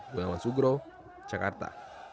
gunawan sugro jakarta